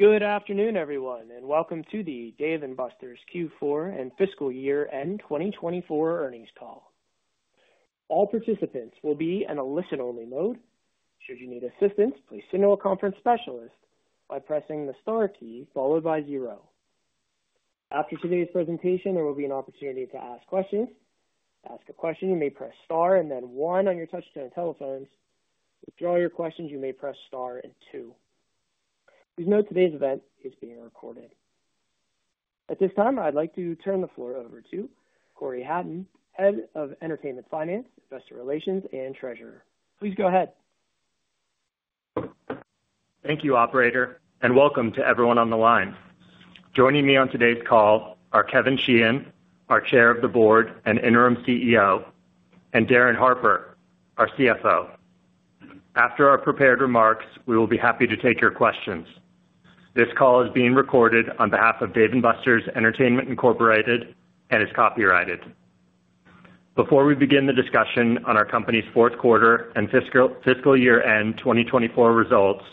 Good afternoon, everyone, and welcome to the Dave & Buster's Q4 and Fiscal Year End 2024 Earnings Call. All participants will be in a listen-only mode. Should you need assistance, please signal a conference specialist by pressing the star key followed by zero. After today's presentation, there will be an opportunity to ask questions. To ask a question, you may press star and then one on your touch-tone telephones. To withdraw your questions, you may press star and two. Please note today's event is being recorded. At this time, I'd like to turn the floor over to Cory Hatton, Head of Entertainment Finance, Investor Relations, and Treasurer. Please go ahead. Thank you, Operator, and welcome to everyone on the line. Joining me on today's call are Kevin Sheehan, our Chair of the Board and Interim CEO, and Darin Harper, our CFO. After our prepared remarks, we will be happy to take your questions. This call is being recorded on behalf of Dave & Buster's Entertainment, Incorporated and is copyrighted. Before we begin the discussion on our company's Q4 and fiscal year end 2024 results,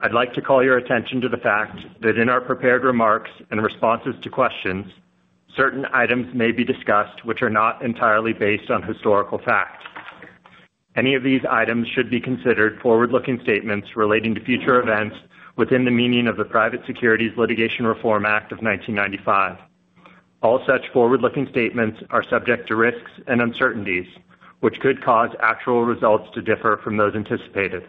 I'd like to call your attention to the fact that in our prepared remarks and responses to questions, certain items may be discussed which are not entirely based on historical fact. Any of these items should be considered forward-looking statements relating to future events within the meaning of the Private Securities Litigation Reform Act of 1995. All such forward-looking statements are subject to risks and uncertainties, which could cause actual results to differ from those anticipated.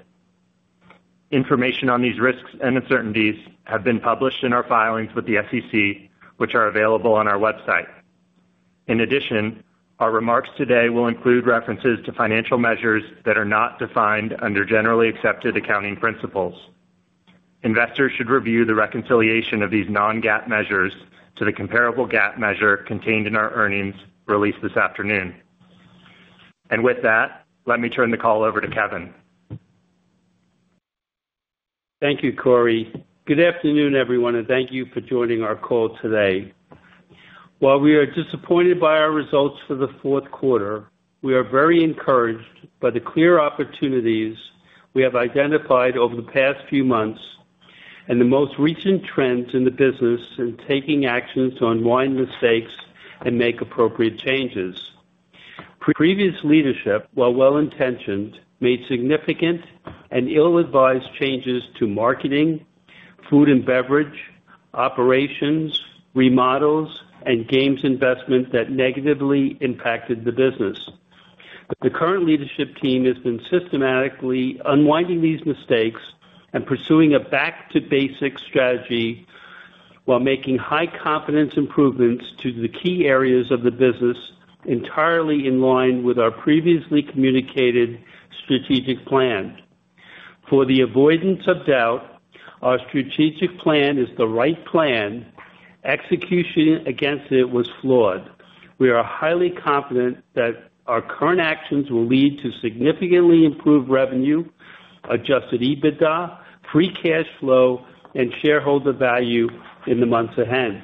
Information on these risks and uncertainties have been published in our filings with the SEC, which are available on our website. In addition, our remarks today will include references to financial measures that are not defined under generally accepted accounting principles. Investors should review the reconciliation of these non-GAAP measures to the comparable GAAP measure contained in our earnings released this afternoon. With that, let me turn the call over to Kevin. Thank you, Cory. Good afternoon, everyone, and thank you for joining our call today. While we are disappointed by our results for the Q4, we are very encouraged by the clear opportunities we have identified over the past few months and the most recent trends in the business in taking actions to unwind mistakes and make appropriate changes. Previous leadership, while well-intentioned, made significant and ill-advised changes to marketing, food and beverage, operations, remodels, and games investment that negatively impacted the business. The current leadership team has been systematically unwinding these mistakes and pursuing a back-to-basics strategy while making high-confidence improvements to the key areas of the business, entirely in line with our previously communicated strategic plan. For the avoidance of doubt, our strategic plan is the right plan. Execution against it was flawed. We are highly confident that our current actions will lead to significantly improved revenue, adjusted EBITDA, free cash flow, and shareholder value in the months ahead.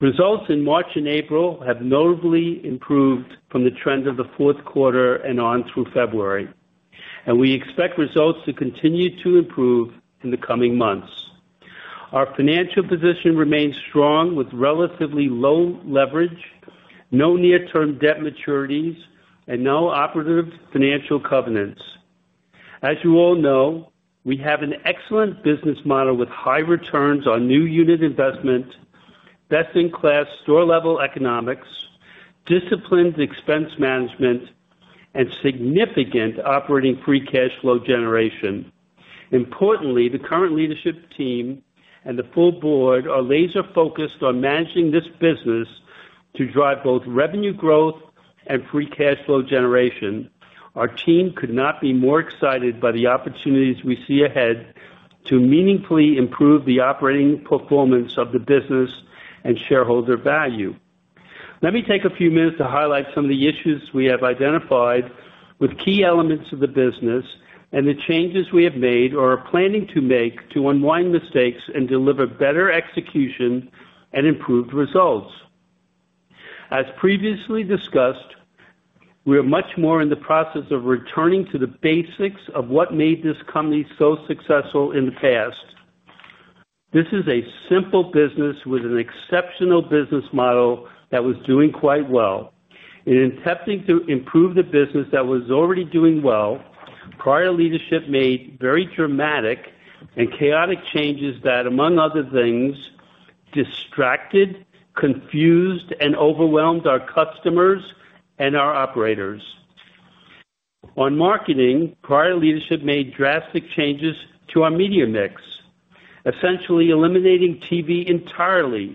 Results in March and April have notably improved from the trend of the Q4 and on through February, and we expect results to continue to improve in the coming months. Our financial position remains strong with relatively low leverage, no near-term debt maturities, and no operative financial covenants. As you all know, we have an excellent business model with high returns on new unit investment, best-in-class store-level economics, disciplined expense management, and significant operating free cash flow generation. Importantly, the current leadership team and the full board are laser-focused on managing this business to drive both revenue growth and free cash flow generation. Our team could not be more excited by the opportunities we see ahead to meaningfully improve the operating performance of the business and shareholder value. Let me take a few minutes to highlight some of the issues we have identified with key elements of the business and the changes we have made or are planning to make to unwind mistakes and deliver better execution and improved results. As previously discussed, we are much more in the process of returning to the basics of what made this company so successful in the past. This is a simple business with an exceptional business model that was doing quite well. In attempting to improve the business that was already doing well, prior leadership made very dramatic and chaotic changes that, among other things, distracted, confused, and overwhelmed our customers and our operators. On marketing, prior leadership made drastic changes to our media mix, essentially eliminating TV entirely.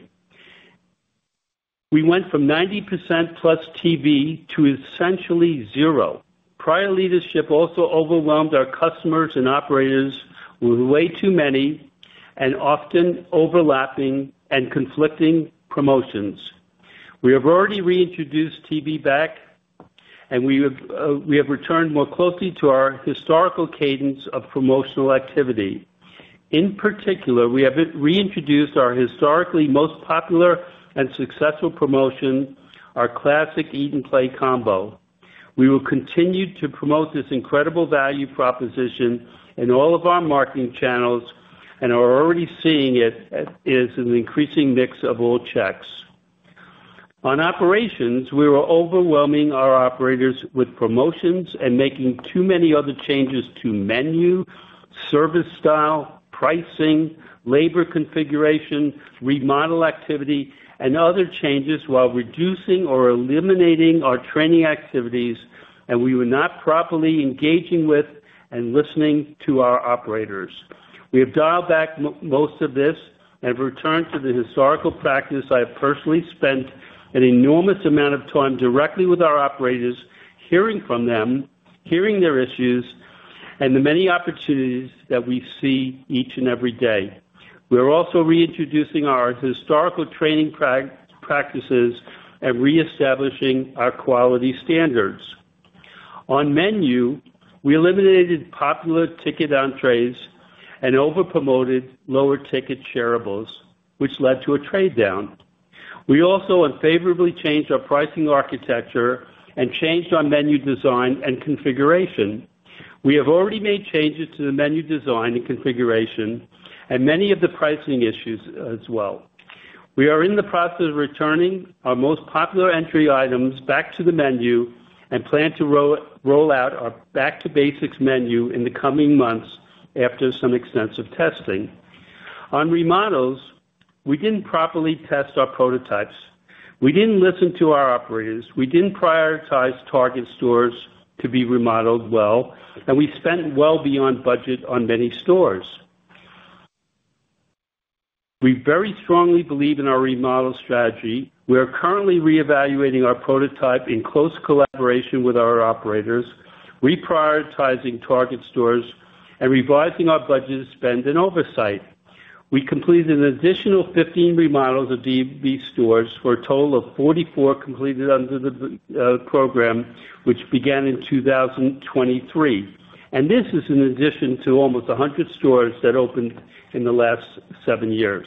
We went from 90% plus TV to essentially zero. Prior leadership also overwhelmed our customers and operators with way too many and often overlapping and conflicting promotions. We have already reintroduced TV back, and we have returned more closely to our historical cadence of promotional activity. In particular, we have reintroduced our historically most popular and successful promotion, our classic Eat & Play Combo. We will continue to promote this incredible value proposition in all of our marketing channels and are already seeing it as an increasing mix of old checks. On operations, we were overwhelming our operators with promotions and making too many other changes to menu, service style, pricing, labor configuration, remodel activity, and other changes while reducing or eliminating our training activities, and we were not properly engaging with and listening to our operators. We have dialed back most of this and have returned to the historical practice. I have personally spent an enormous amount of time directly with our operators, hearing from them, hearing their issues, and the many opportunities that we see each and every day. We are also reintroducing our historical training practices and reestablishing our quality standards. On menu, we eliminated popular ticket entrées and over-promoted lower ticket shareables, which led to a trade down. We also unfavorably changed our pricing architecture and changed our menu design and configuration. We have already made changes to the menu design and configuration and many of the pricing issues as well. We are in the process of returning our most popular entry items back to the menu and plan to roll out our back-to-basics menu in the coming months after some extensive testing. On remodels, we did not properly test our prototypes. We didn't listen to our operators. We didn't prioritize target stores to be remodeled well, and we spent well beyond budget on many stores. We very strongly believe in our remodel strategy. We are currently reevaluating our prototype in close collaboration with our operators, reprioritizing target stores, and revising our budget spend and oversight. We completed an additional 15 remodels of D&Bs stores for a total of 44 completed under the program, which began in 2023. This is in addition to almost 100 stores that opened in the last seven years.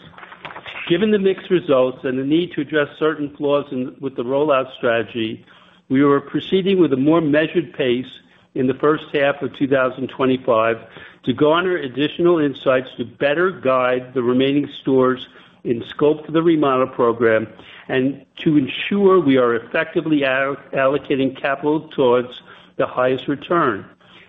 Given the mixed results and the need to address certain flaws with the rollout strategy, we are proceeding with a more measured pace in the first half of 2025 to garner additional insights to better guide the remaining stores in scope to the remodel program and to ensure we are effectively allocating capital towards the highest return.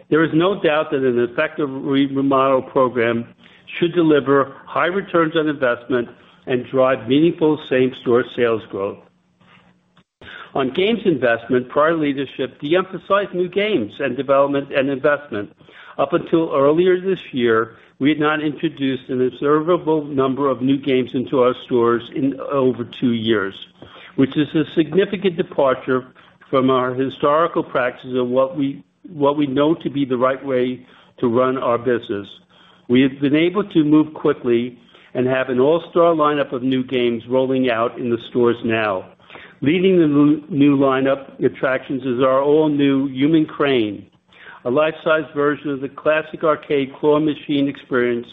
There is no doubt that an effective remodel program should deliver high returns on investment and drive meaningful same-store sales growth. On games investment, prior leadership de-emphasized new games and development and investment. Up until earlier this year, we had not introduced an observable number of new games into our stores in over two years, which is a significant departure from our historical practice of what we know to be the right way to run our business. We have been able to move quickly and have an all-star lineup of new games rolling out in the stores now. Leading the new lineup attractions is our all-new Human Crane, a life-size version of the classic arcade claw machine experience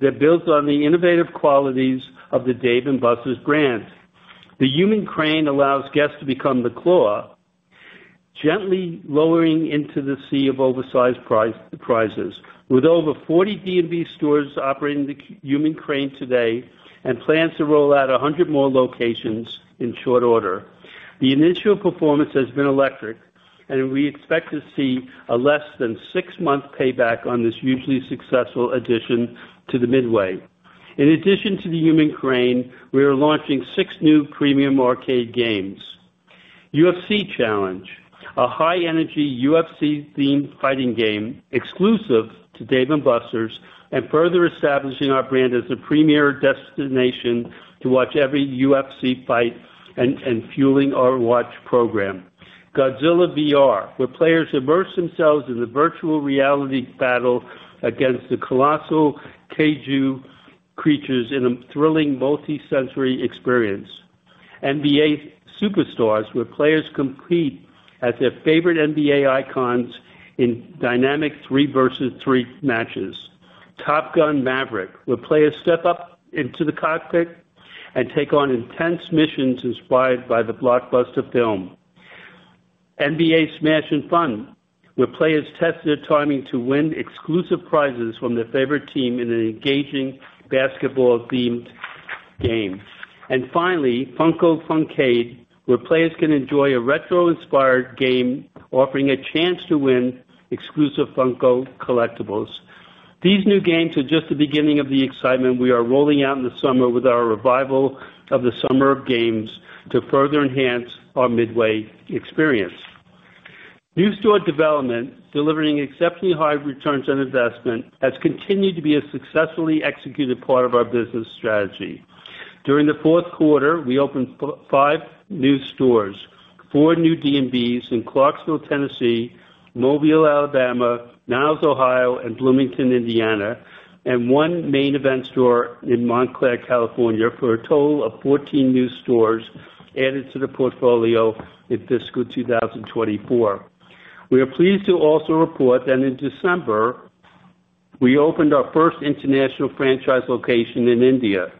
that builds on the innovative qualities of the Dave & Buster's brand. The Human Crane allows guests to become the claw, gently lowering into the sea of oversized prizes. With over 40 D&B stores operating the Human Crane today and plans to roll out 100 more locations in short order, the initial performance has been electric, and we expect to see a less than six-month payback on this usually successful addition to the midway. In addition to the Human Crane, we are launching six new premium arcade games: UFC Challenge, a high-energy UFC-themed fighting game exclusive to Dave & Buster's, and further establishing our brand as a premier destination to watch every UFC fight and fueling our watch program. Godzilla VR, where players immerse themselves in the virtual reality battle against the colossal kaiju creatures in a thrilling multi-sensory experience. NBA Superstars, where players compete as their favorite NBA icons in dynamic three-versus-three matches. Top Gun: Maverick, where players step up into the cockpit and take on intense missions inspired by the blockbuster film. NBA Smash & Fun, where players test their timing to win exclusive prizes from their favorite team in an engaging basketball-themed game. Finally, Funko Funcade, where players can enjoy a retro-inspired game offering a chance to win exclusive Funko collectibles. These new games are just the beginning of the excitement we are rolling out in the summer with our revival of the Summer of Games to further enhance our midway experience. New store development, delivering exceptionally high returns on investment, has continued to be a successfully executed part of our business strategy. During the Q4, we opened five new stores: four new D&Bs in Clarksville, Tennessee, Mobile, Alabama, Niles, Ohio, and Bloomington, Indiana, and one Main Event store in Montclair, California, for a total of 14 new stores added to the portfolio in fiscal 2024. We are pleased to also report that in December, we opened our first international franchise location in India.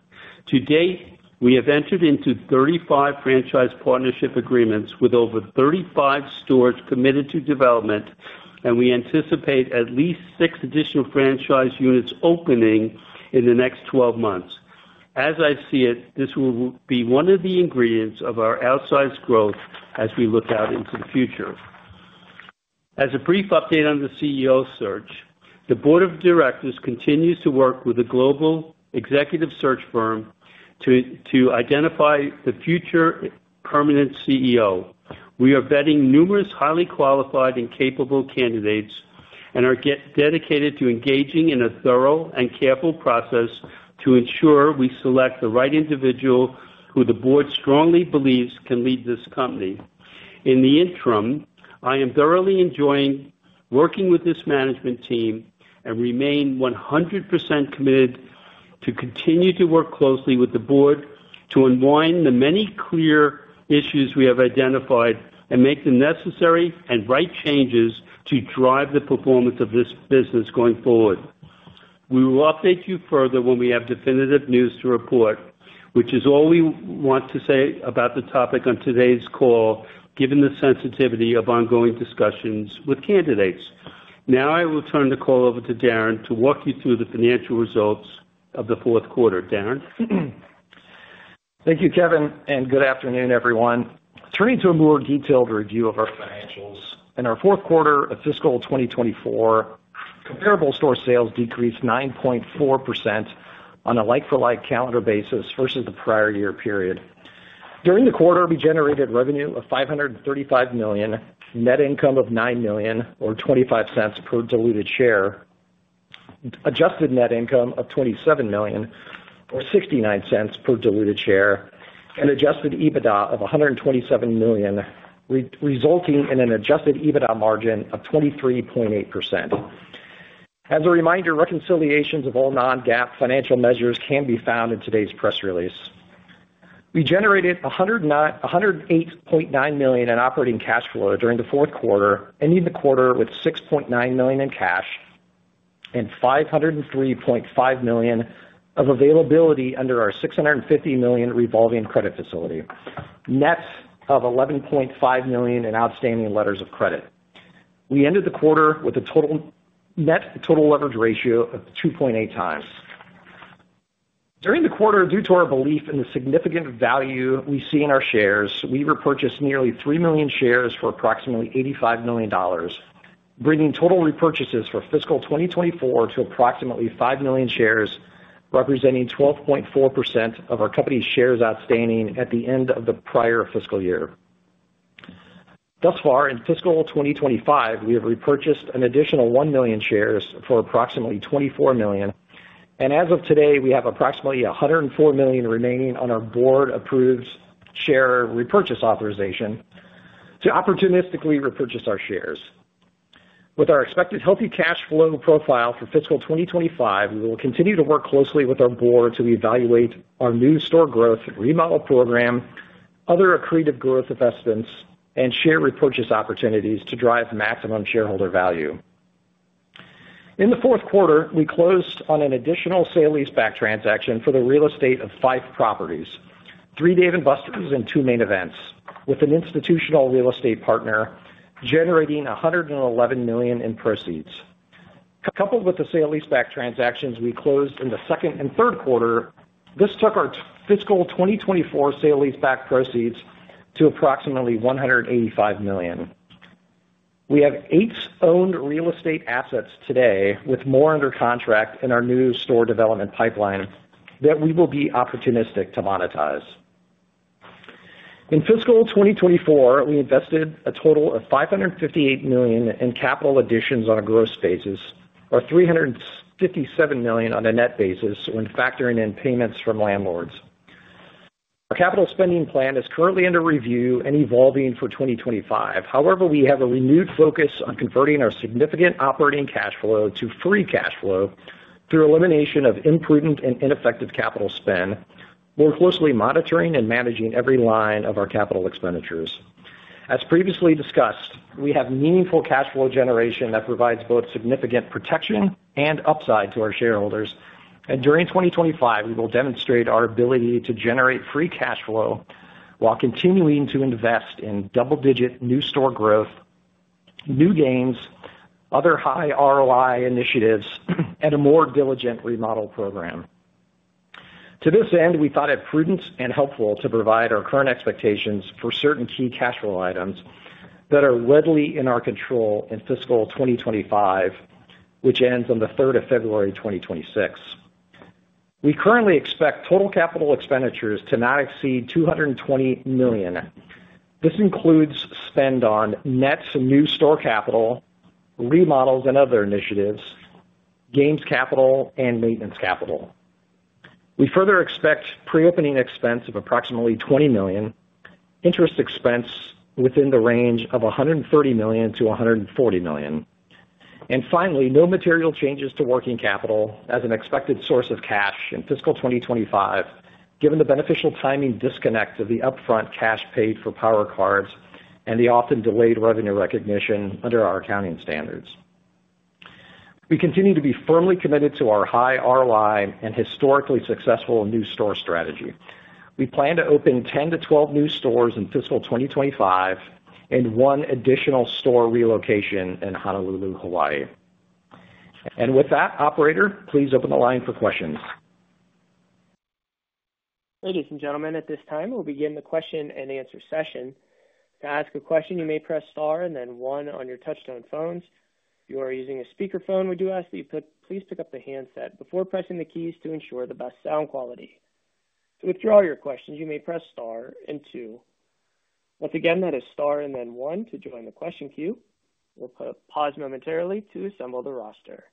To date, we have entered into 35 franchise partnership agreements with over 35 stores committed to development, and we anticipate at least six additional franchise units opening in the next 12 months. As I see it, this will be one of the ingredients of our outsized growth as we look out into the future. As a brief update on the CEO search, the Board of Directors continues to work with the global executive search firm to identify the future permanent CEO. We are vetting numerous highly qualified and capable candidates and are dedicated to engaging in a thorough and careful process to ensure we select the right individual who the Board strongly believes can lead this company. In the interim, I am thoroughly enjoying working with this management team and remain 100% committed to continue to work closely with the board to unwind the many clear issues we have identified and make the necessary and right changes to drive the performance of this business going forward. We will update you further when we have definitive news to report, which is all we want to say about the topic on today's call, given the sensitivity of ongoing discussions with candidates. Now I will turn the call over to Darin to walk you through the financial results of the Q4. Darin. Thank you, Kevin, and good afternoon, everyone. Turning to a more detailed review of our financials, in our Q4 of fiscal 2024, comparable store sales decreased 9.4% on a like-for-like calendar basis versus the prior year period. During the quarter, we generated revenue of $535 million, net income of $9 million, or $0.25 per diluted share, adjusted net income of $27 million, or $0.69 per diluted share, and adjusted EBITDA of $127 million, resulting in an adjusted EBITDA margin of 23.8%. As a reminder, reconciliations of all non-GAAP financial measures can be found in today's press release. We generated $108.9 million in operating cash flow during the Q4, ending the quarter with $6.9 million in cash and $503.5 million of availability under our $650 million revolving credit facility, net of $11.5 million in outstanding letters of credit. We ended the quarter with a net total leverage ratio of 2.8 times. During the quarter, due to our belief in the significant value we see in our shares, we repurchased nearly 3 million shares for approximately $85 million, bringing total repurchases for fiscal 2024 to approximately 5 million shares, representing 12.4% of our company's shares outstanding at the end of the prior fiscal year. Thus far, in fiscal 2025, we have repurchased an additional 1 million shares for approximately $24 million, and as of today, we have approximately $104 million remaining on our board-approved share repurchase authorization to opportunistically repurchase our shares. With our expected healthy cash flow profile for fiscal 2025, we will continue to work closely with our board to evaluate our new store growth remodel program, other accretive growth investments, and share repurchase opportunities to drive maximum shareholder value. In the Q4, we closed on an additional sale-leaseback transaction for the real estate of five properties, three Dave & Buster's and two Main Events, with an institutional real estate partner generating $111 million in proceeds. Coupled with the sale-leaseback transactions we closed in the second and third quarter, this took our fiscal 2024 sale-leaseback proceeds to approximately $185 million. We have eight owned real estate assets today, with more under contract in our new store development pipeline that we will be opportunistic to monetize. In fiscal 2024, we invested a total of $558 million in capital additions on a gross basis or $357 million on a net basis when factoring in payments from landlords. Our capital spending plan is currently under review and evolving for 2025. However, we have a renewed focus on converting our significant operating cash flow to free cash flow through elimination of imprudent and ineffective capital spend, while closely monitoring and managing every line of our capital expenditures. As previously discussed, we have meaningful cash flow generation that provides both significant protection and upside to our shareholders. During 2025, we will demonstrate our ability to generate free cash flow while continuing to invest in double-digit new store growth, new games, other high ROI initiatives, and a more diligent remodel program. To this end, we thought it prudent and helpful to provide our current expectations for certain key cash flow items that are readily in our control in fiscal 2025, which ends on the 3rd February, 2026. We currently expect total capital expenditures to not exceed $220 million. This includes spend on net new store capital, remodels, and other initiatives, games capital, and maintenance capital. We further expect pre-opening expense of approximately $20 million, interest expense within the range of $130 to 140 million. Finally, no material changes to working capital as an expected source of cash in fiscal 2025, given the beneficial timing disconnect of the upfront cash paid for Power Cards and the often delayed revenue recognition under our accounting standards. We continue to be firmly committed to our high ROI and historically successful new store strategy. We plan to open 10 to 12 new stores in fiscal 2025 and one additional store relocation in Honolulu, Hawaii. With that, operator, please open the line for questions. Ladies and gentlemen, at this time, we'll begin the question and answer session. To ask a question, you may press star and then one on your touch-tone phones. If you are using a speakerphone, we do ask that you please pick up the handset before pressing the keys to ensure the best sound quality. To withdraw your questions, you may press star and two. Once again, that is star and then one to join the question queue. We'll pause momentarily to assemble the roster.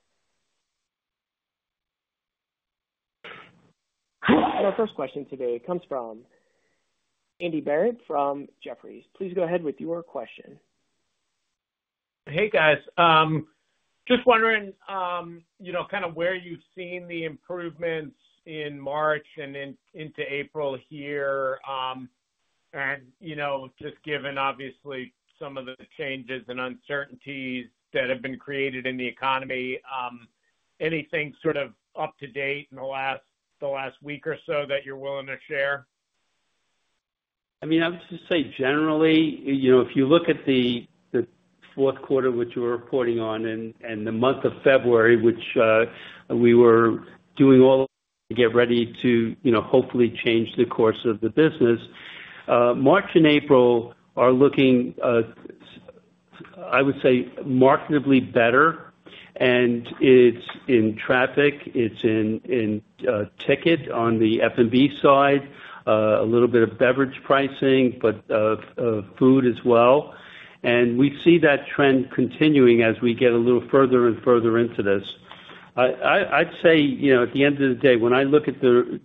Our first question today comes from Andy Barish from Jefferies. Please go ahead with your question. Hey, guys. Just wondering kind of where you've seen the improvements in March and into April here. And just given, obviously, some of the changes and uncertainties that have been created in the economy, anything sort of up to date in the last week or so that you're willing to share? I mean, I would just say generally, if you look at the Q4, which you were reporting on, and the month of February, which we were doing all to get ready to hopefully change the course of the business, March and April are looking, I would say, markedly better. It is in traffic. It is in ticket on the F&B side, a little bit of beverage pricing, but food as well. We see that trend continuing as we get a little further and further into this. I would say at the end of the day, when I look at the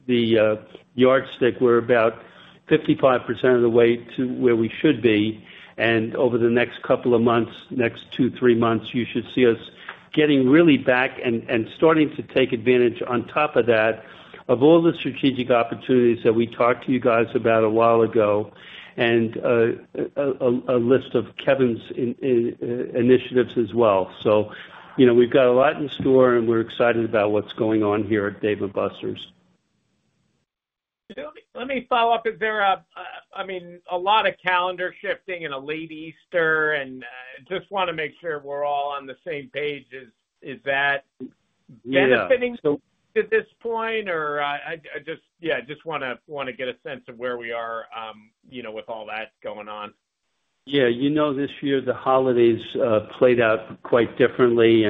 yardstick, we are about 55% of the way to where we should be. Over the next couple of months, next two, three months, you should see us getting really back and starting to take advantage, on top of that, of all the strategic opportunities that we talked to you guys about a while ago and a list of Kevin's initiatives as well. We have a lot in store, and we're excited about what's going on here at Dave & Buster's. Let me follow up. Is there, I mean, a lot of calendar shifting and a late Easter, and just want to make sure we're all on the same page. Is that benefiting at this point? Or yeah, I just want to get a sense of where we are with all that going on. Yeah. You know, this year, the holidays played out quite differently.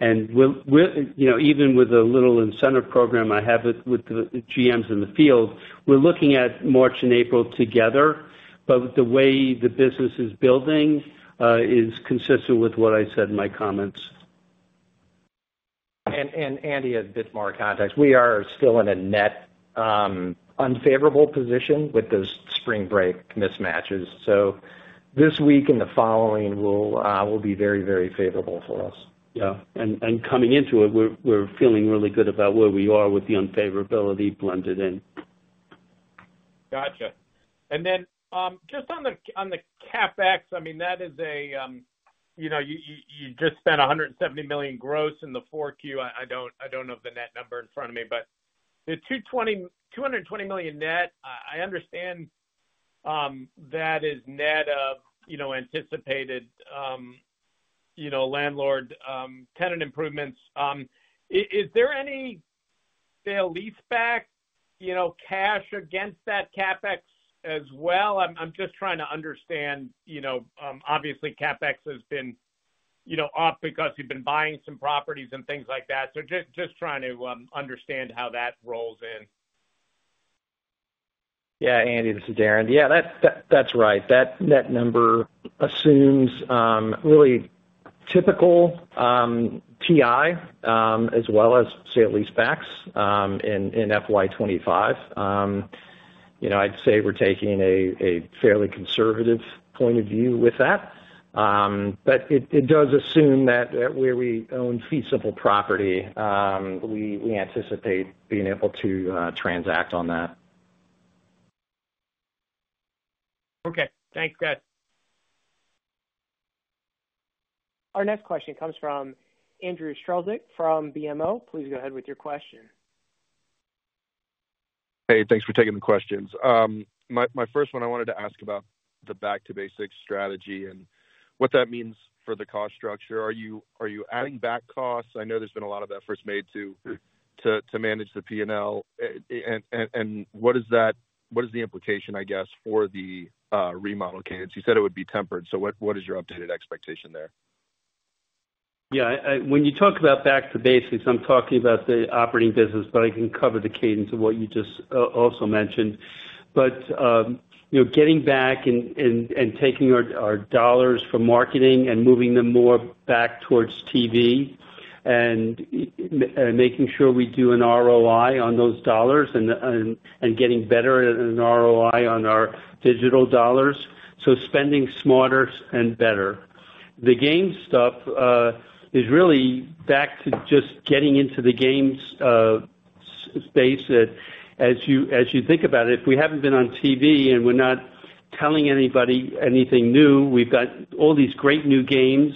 Even with a little incentive program I have with the GMs in the field, we're looking at March and April together. The way the business is building is consistent with what I said in my comments. Andy has a bit more context. We are still in a net unfavorable position with those spring break mismatches. This week and the following will be very, very favorable for us. Yeah. Coming into it, we're feeling really good about where we are with the unfavorability blended in. Gotcha. Just on the CapEx, I mean, you just spent $170 million gross in the Q4. I don't know the net number in front of me, but the $220 million net, I understand that is net of anticipated landlord tenant improvements. Is there any sale lease-back cash against that CapEx as well? I'm just trying to understand. Obviously, CapEx has been up because you've been buying some properties and things like that. Just trying to understand how that rolls in. Yeah. Andy, this is Darin. Yeah, that's right. That net number assumes really typical TI as well as sale lease-backs in FY2025. I'd say we're taking a fairly conservative point of view with that. It does assume that where we own feasible property, we anticipate being able to transact on that. Okay. Thanks, guys. Our next question comes from Andrew Strelzik from BMO. Please go ahead with your question. Hey, thanks for taking the questions. My first one I wanted to ask about the back-to-basics strategy and what that means for the cost structure. Are you adding back costs? I know there's been a lot of efforts made to manage the P&L. What is the implication, I guess, for the remodel cadence? You said it would be tempered. What is your updated expectation there? Yeah. When you talk about back-to-basics, I'm talking about the operating business, but I can cover the cadence of what you just also mentioned. Getting back and taking our dollars from marketing and moving them more back towards TV and making sure we do an ROI on those dollars and getting better at an ROI on our digital dollars. Spending smarter and better. The game stuff is really back to just getting into the games space. As you think about it, if we haven't been on TV and we're not telling anybody anything new, we've got all these great new games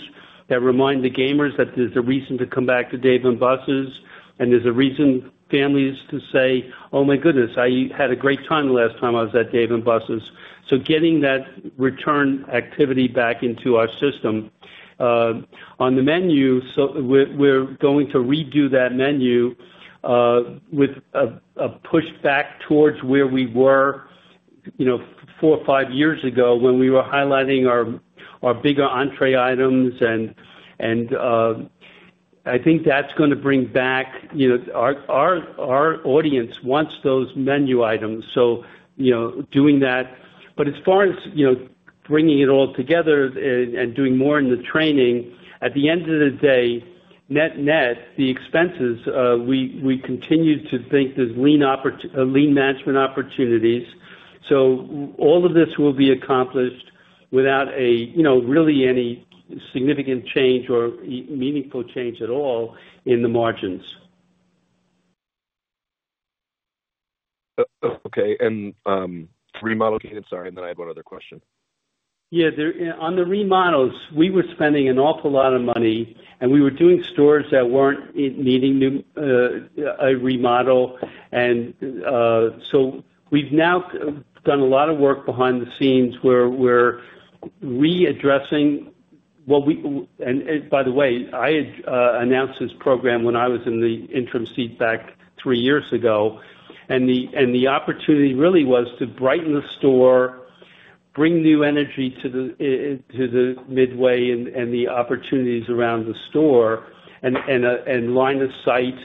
that remind the gamers that there's a reason to come back to Dave & Buster's. There is a reason families say, "Oh my goodness, I had a great time the last time I was at Dave & Buster's." Getting that return activity back into our system. On the menu, we are going to redo that menu with a push back towards where we were four or five years ago when we were highlighting our bigger entree items. I think that is going to bring back our audience who wants those menu items. Doing that. As far as bringing it all together and doing more in the training, at the end of the day, net net, the expenses, we continue to think there are lean management opportunities. All of this will be accomplished without really any significant change or meaningful change at all in the margins. Okay. Remodel cadence, sorry. I had one other question. Yeah. On the remodels, we were spending an awful lot of money, and we were doing stores that were not needing a remodel. We have now done a lot of work behind the scenes where we are readdressing what we, and by the way, I announced this program when I was in the interim seat back three years ago. The opportunity really was to brighten the store, bring new energy to the midway, and the opportunities around the store and line of sight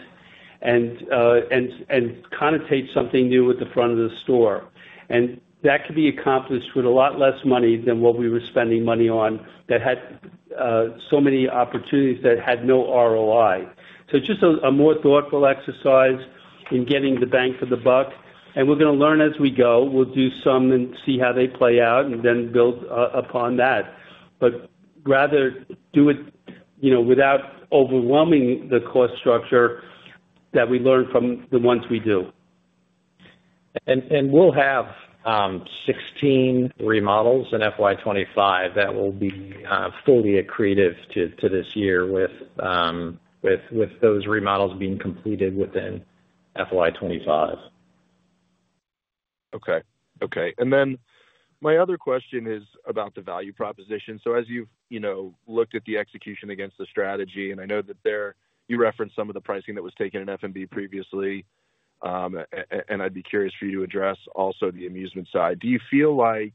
and connotate something new with the front of the store. That could be accomplished with a lot less money than what we were spending money on that had so many opportunities that had no ROI. It is just a more thoughtful exercise in getting the bang for the buck. We are going to learn as we go. We'll do some and see how they play out and then build upon that. Rather do it without overwhelming the cost structure that we learned from the ones we do. We'll have 16 remodels in FY25 that will be fully accretive to this year with those remodels being completed within FY25. Okay. Okay. My other question is about the value proposition. As you've looked at the execution against the strategy, and I know that you referenced some of the pricing that was taken in F&B previously, I'd be curious for you to address also the amusement side. Do you feel like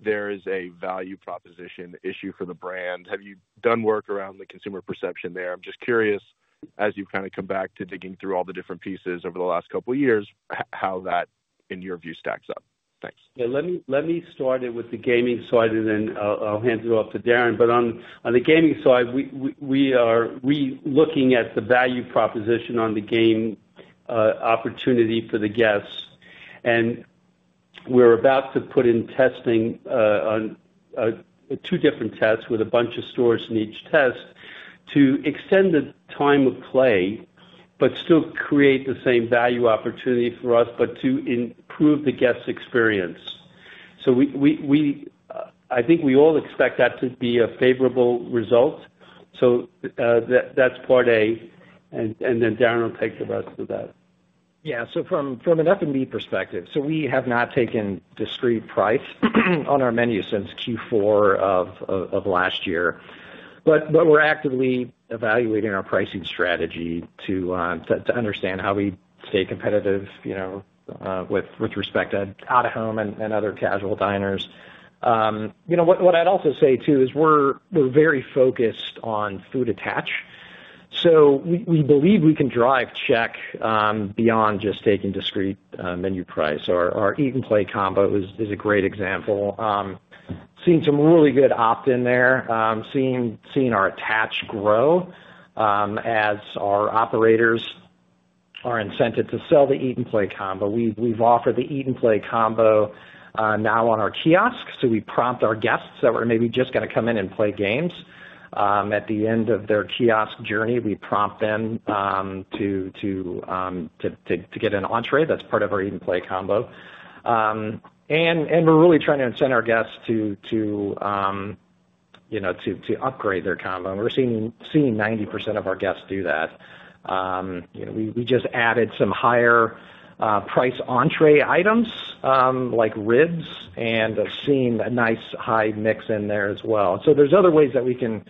there is a value proposition issue for the brand? Have you done work around the consumer perception there? I'm just curious, as you've kind of come back to digging through all the different pieces over the last couple of years, how that, in your view, stacks up. Thanks. Yeah. Let me start it with the gaming side, and then I'll hand it off to Darin. On the gaming side, we are looking at the value proposition on the game opportunity for the guests. We're about to put in testing two different tests with a bunch of stores in each test to extend the time of play, but still create the same value opportunity for us, but to improve the guest experience. I think we all expect that to be a favorable result. That's part A. Darin will take the rest of that. Yeah. From an F&B perspective, we have not taken discreet price on our menu since Q4 of last year. We are actively evaluating our pricing strategy to understand how we stay competitive with respect to out-of-home and other casual diners. What I would also say is we are very focused on food attach. We believe we can drive check beyond just taking discreet menu price. Our Eat-and-Play combo is a great example. Seen some really good opt-in there. Seen our attach grow as our operators are incented to sell the Eat-and-Play combo. We have offered the Eat-and-Play combo now on our kiosk. We prompt our guests that were maybe just going to come in and play games at the end of their kiosk journey. We prompt them to get an entree that is part of our Eat-and-Play combo. We are really trying to incent our guests to upgrade their combo. We're seeing 90% of our guests do that. We just added some higher-priced entree items like ribs and have seen a nice high mix in there as well. There are other ways that we can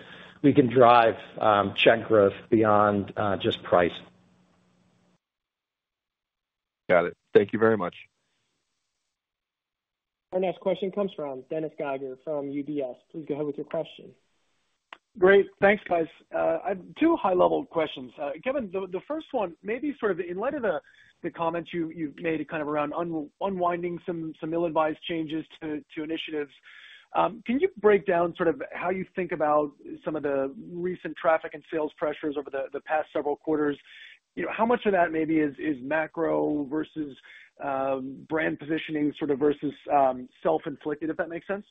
drive check growth beyond just price. Got it. Thank you very much. Our next question comes from Dennis Geiger from UBS. Please go ahead with your question. Great. Thanks, guys. Two high-level questions. Kevin, the first one, maybe sort of in light of the comments you've made kind of around unwinding some ill-advised changes to initiatives, can you break down sort of how you think about some of the recent traffic and sales pressures over the past several quarters? How much of that maybe is macro versus brand positioning sort of versus self-inflicted, if that makes sense?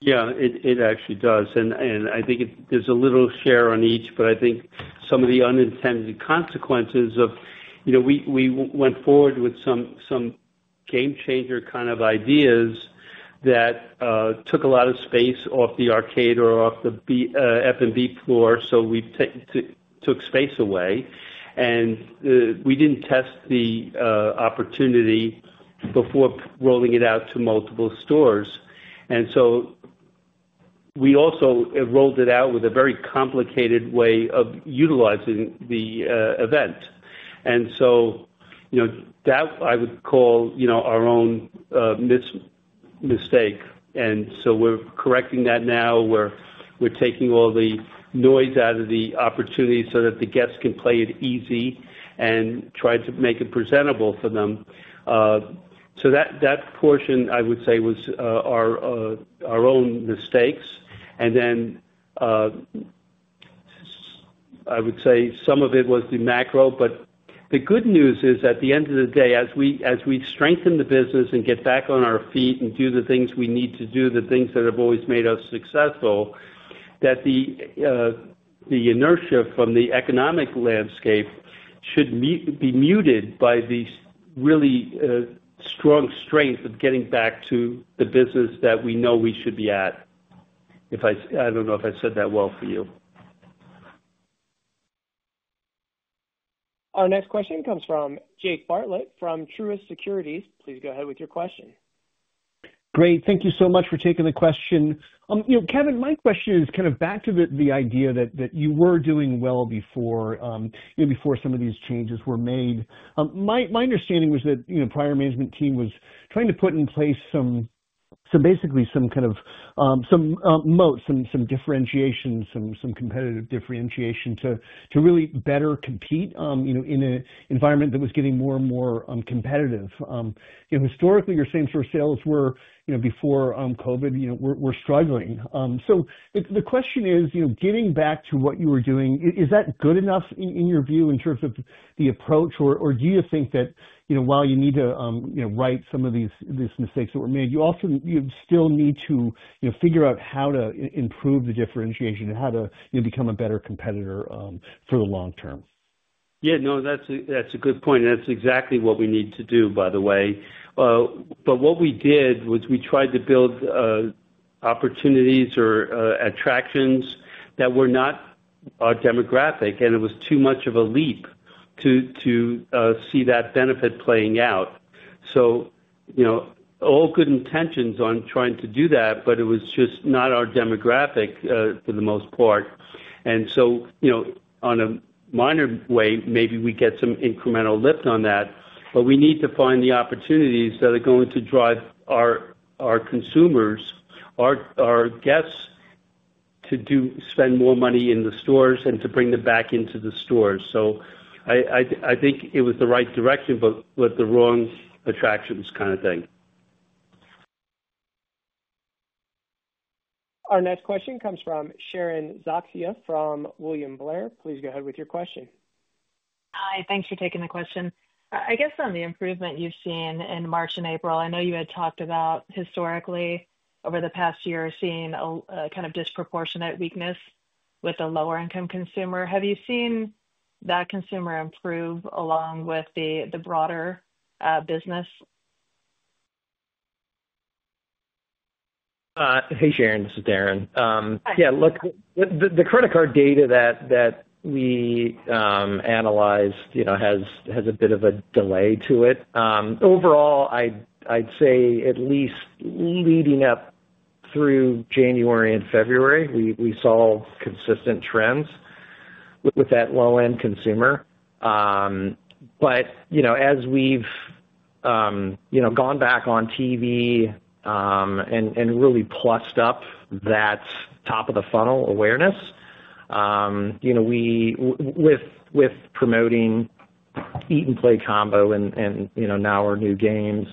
Yeah. It actually does. I think there's a little share on each, but I think some of the unintended consequences of we went forward with some game-changer kind of ideas that took a lot of space off the arcade or off the F&B floor. We took space away. We didn't test the opportunity before rolling it out to multiple stores. We also rolled it out with a very complicated way of utilizing the event. That, I would call our own mistake. We're correcting that now. We're taking all the noise out of the opportunity so that the guests can play it easy and try to make it presentable for them. That portion, I would say, was our own mistakes. I would say some of it was the macro. The good news is, at the end of the day, as we strengthen the business and get back on our feet and do the things we need to do, the things that have always made us successful, that the inertia from the economic landscape should be muted by the really strong strength of getting back to the business that we know we should be at. I don't know if I said that well for you. Our next question comes from Jake Bartlett from Truist Securities. Please go ahead with your question. Great. Thank you so much for taking the question. Kevin, my question is kind of back to the idea that you were doing well before some of these changes were made. My understanding was that the prior management team was trying to put in place basically some kind of moat, some differentiation, some competitive differentiation to really better compete in an environment that was getting more and more competitive. Historically, your same sort of sales were before COVID. We're struggling. The question is, getting back to what you were doing, is that good enough in your view in terms of the approach? Do you think that while you need to right some of these mistakes that were made, you still need to figure out how to improve the differentiation and how to become a better competitor for the long term? Yeah. No, that's a good point. That's exactly what we need to do, by the way. What we did was we tried to build opportunities or attractions that were not our demographic. It was too much of a leap to see that benefit playing out. All good intentions on trying to do that, but it was just not our demographic for the most part. In a minor way, maybe we get some incremental lift on that. We need to find the opportunities that are going to drive our consumers, our guests, to spend more money in the stores and to bring them back into the stores. I think it was the right direction, but with the wrong attractions kind of thing. Our next question comes from Sharon Zackfia from William Blair. Please go ahead with your question. Hi. Thanks for taking the question. I guess on the improvement you have seen in March and April, I know you had talked about historically over the past year seeing a kind of disproportionate weakness with a lower-income consumer. Have you seen that consumer improve along with the broader business? Hey, Sharon. This is Darin. Yeah. Look, the credit card data that we analyzed has a bit of a delay to it. Overall, I'd say at least leading up through January and February, we saw consistent trends with that low-end consumer. As we've gone back on TV and really plussed up that top-of-the-funnel awareness with promoting Eat-and-Play Combo and now our new games,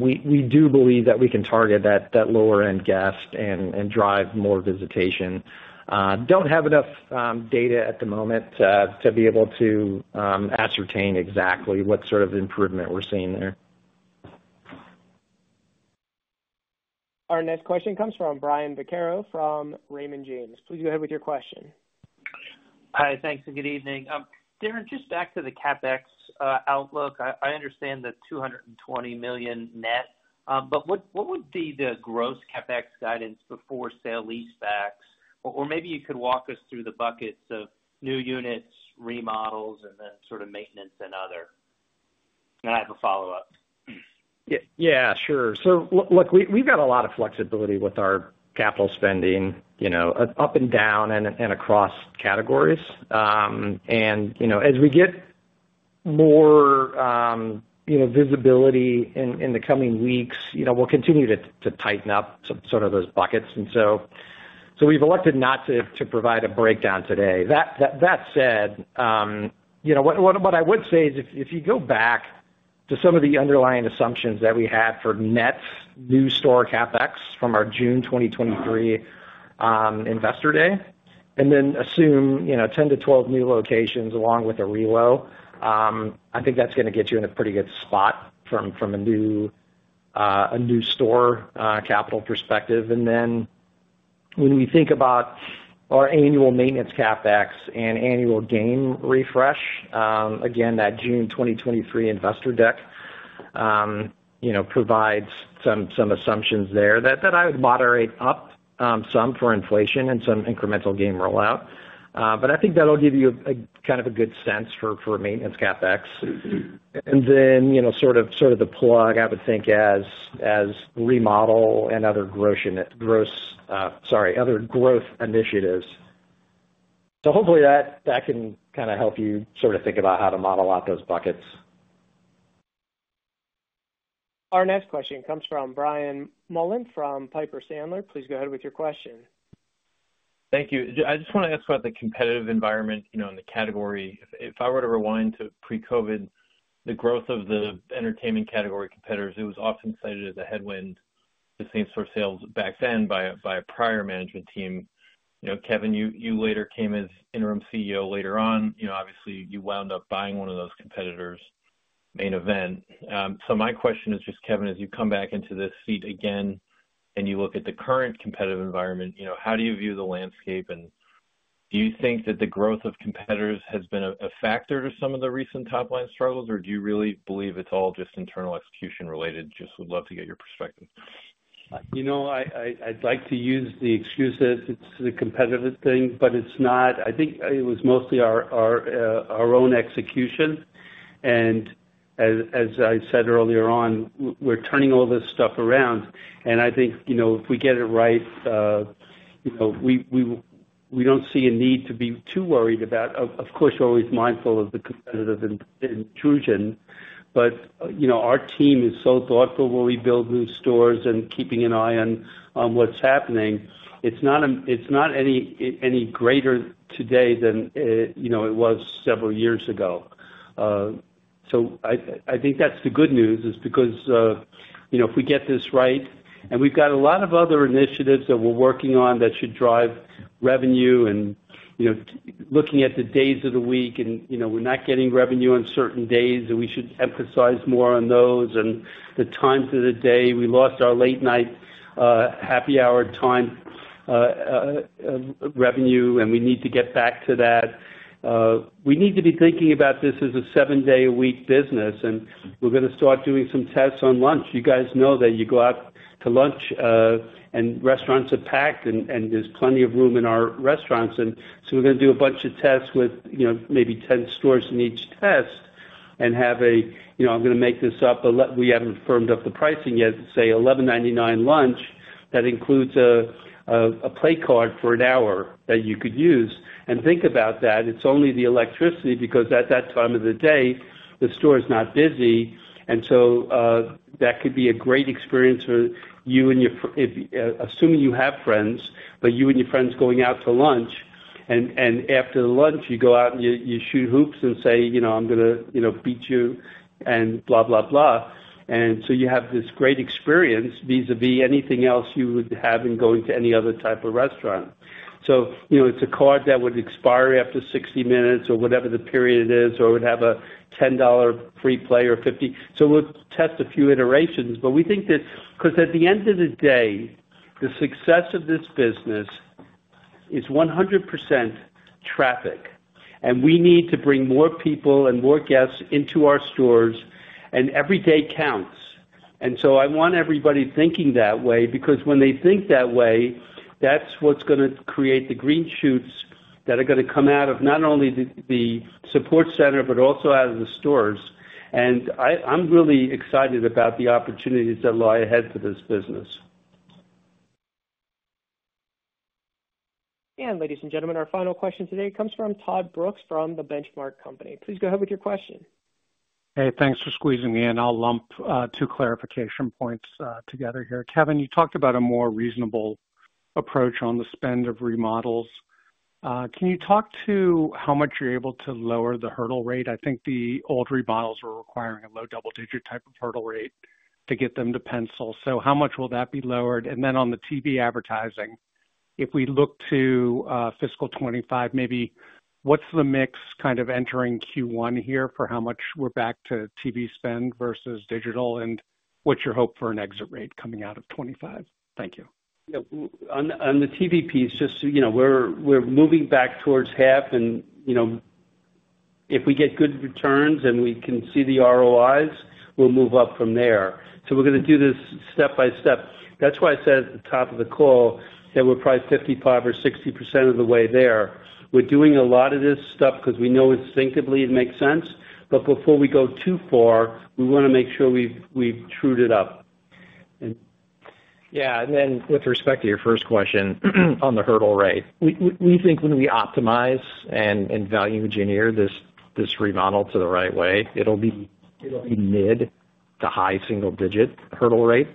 we do believe that we can target that lower-end guest and drive more visitation. Don't have enough data at the moment to be able to ascertain exactly what sort of improvement we're seeing there. Our next question comes from Brian Vaccaro from Raymond James. Please go ahead with your question. Hi. Thanks. And good evening. Darin, just back to the CapEx outlook. I understand the $220 million net. What would be the gross CapEx guidance before sale-leasebacks? Maybe you could walk us through the buckets of new units, remodels, and then sort of maintenance and other. I have a follow-up. Yeah. Sure. Look, we've got a lot of flexibility with our capital spending up and down and across categories. As we get more visibility in the coming weeks, we'll continue to tighten up sort of those buckets. We've elected not to provide a breakdown today. That said, what I would say is if you go back to some of the underlying assumptions that we had for net new store CapEx from our June 2023 investor day and then assume 10 to 12 new locations along with a relo, I think that's going to get you in a pretty good spot from a new store capital perspective. When we think about our annual maintenance CapEx and annual game refresh, again, that June 2023 investor deck provides some assumptions there that I would moderate up some for inflation and some incremental game rollout. I think that'll give you kind of a good sense for maintenance CapEx. Sort of the plug, I would think, as remodel and other growth initiatives. Hopefully that can kind of help you sort of think about how to model out those buckets. Our next question comes from Brian Mullan from Piper Sandler. Please go ahead with your question. Thank you. I just want to ask about the competitive environment in the category. If I were to rewind to pre-COVID, the growth of the entertainment category competitors, it was often cited as a headwind to same-store sales back then by a prior management team. Kevin, you later came as interim CEO later on. Obviously, you wound up buying one of those competitors' Main Event. My question is just, Kevin, as you come back into this seat again and you look at the current competitive environment, how do you view the landscape? Do you think that the growth of competitors has been a factor to some of the recent top-line struggles? Or do you really believe it's all just internal execution related? Just would love to get your perspective. I'd like to use the excuse that it's the competitive thing, but it's not. I think it was mostly our own execution. As I said earlier on, we're turning all this stuff around. I think if we get it right, we don't see a need to be too worried about, of course, you're always mindful of the competitive intrusion. Our team is so thoughtful when we build new stores and keeping an eye on what's happening. It's not any greater today than it was several years ago. I think that's the good news is because if we get this right, and we've got a lot of other initiatives that we're working on that should drive revenue and looking at the days of the week, and we're not getting revenue on certain days, and we should emphasize more on those and the times of the day. We lost our late-night happy hour time revenue, and we need to get back to that. We need to be thinking about this as a seven-day-a-week business. We're going to start doing some tests on lunch. You guys know that you go out to lunch and restaurants are packed and there's plenty of room in our restaurants. We're going to do a bunch of tests with maybe 10 stores in each test and have a, I'm going to make this up, but we haven't firmed up the pricing yet. Say $11.99 lunch, that includes a play card for an hour that you could use. Think about that. It's only the electricity because at that time of the day, the store is not busy. That could be a great experience for you and your, assuming you have friends, but you and your friends going out to lunch. After lunch, you go out and you shoot hoops and say, "I'm going to beat you and blah, blah, blah." You have this great experience vis-à-vis anything else you would have in going to any other type of restaurant. It's a card that would expire after 60 minutes or whatever the period is, or it would have a $10 free play or 50. We'll test a few iterations. We think that because at the end of the day, the success of this business is 100% traffic. We need to bring more people and more guests into our stores. Every day counts. I want everybody thinking that way because when they think that way, that's what's going to create the green shoots that are going to come out of not only the support center, but also out of the stores. I'm really excited about the opportunities that lie ahead for this business. Ladies and gentlemen, our final question today comes from Todd Brooks from The Benchmark Company. Please go ahead with your question. Hey, thanks for squeezing me in. I'll lump two clarification points together here. Kevin, you talked about a more reasonable approach on the spend of remodels. Can you talk to how much you're able to lower the hurdle rate? I think the old remodels were requiring a low double-digit type of hurdle rate to get them to pencil. How much will that be lowered? On the TV advertising, if we look to fiscal 2025, maybe what's the mix kind of entering Q1 here for how much we're back to TV spend versus digital and what's your hope for an exit rate coming out of 2025? Thank you. On the TV piece, just we're moving back towards half. If we get good returns and we can see the ROIs, we'll move up from there. We're going to do this step by step. That's why I said at the top of the call that we're probably 55% or 60% of the way there. We're doing a lot of this stuff because we know instinctively it makes sense. Before we go too far, we want to make sure we've trued it up. Yeah. With respect to your first question on the hurdle rate, we think when we optimize and value engineer this remodel the right way, it'll be mid to high single-digit hurdle rate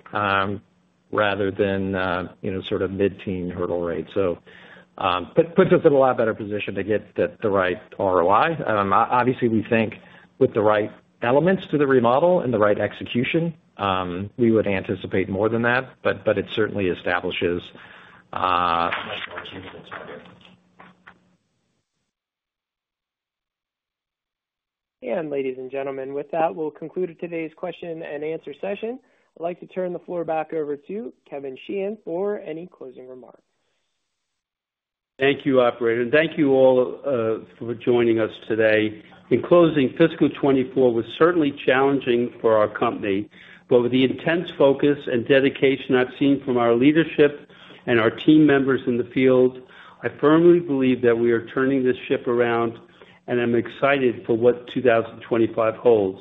rather than sort of mid-teen hurdle rate. It puts us in a lot better position to get the right ROI. Obviously, we think with the right elements to the remodel and the right execution, we would anticipate more than that. It certainly establishes a much more achievable target. Ladies and gentlemen, with that, we'll conclude today's question and answer session. I'd like to turn the floor back over to Kevin Sheehan for any closing remarks. Thank you, Operator. Thank you all for joining us today. In closing, fiscal 2024 was certainly challenging for our company. With the intense focus and dedication I've seen from our leadership and our team members in the field, I firmly believe that we are turning this ship around and I'm excited for what 2025 holds.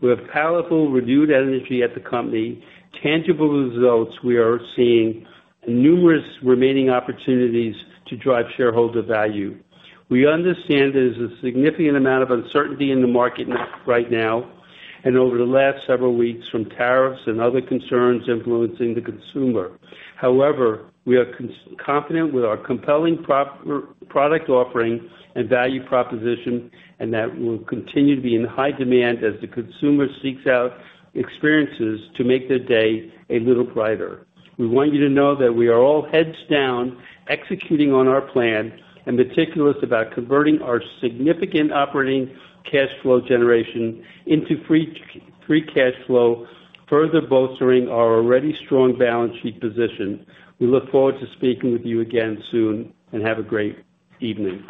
We have powerful renewed energy at the company, tangible results we are seeing, and numerous remaining opportunities to drive shareholder value. We understand there is a significant amount of uncertainty in the market right now and over the last several weeks from tariffs and other concerns influencing the consumer. However, we are confident with our compelling product offering and value proposition and that we'll continue to be in high demand as the consumer seeks out experiences to make their day a little brighter. We want you to know that we are all heads down executing on our plan and meticulous about converting our significant operating cash flow generation into free cash flow, further bolstering our already strong balance sheet position. We look forward to speaking with you again soon and have a great evening.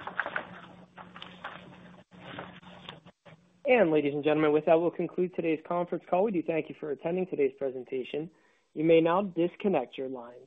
Ladies and gentlemen, with that, we'll conclude today's conference call. We do thank you for attending today's presentation. You may now disconnect your lines.